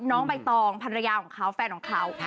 น้องใบตองภรรยาเค้าแฟนเค้า